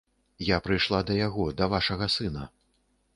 Я прыйшла да яго, да вашага сына.